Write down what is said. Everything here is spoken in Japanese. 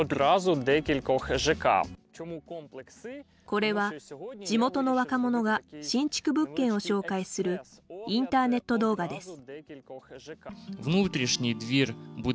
これは、地元の若者が新築物件を紹介するインターネット動画です。